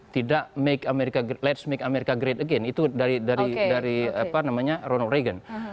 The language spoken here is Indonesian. tidak let's make america great again itu dari apa namanya ronald reagan